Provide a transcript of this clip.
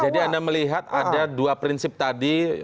jadi anda melihat ada dua prinsip tadi